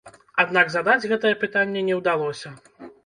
Аднак задаць гэта пытанне не ўдалося.